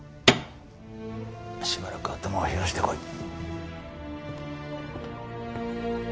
しばらく頭を冷やしてこい。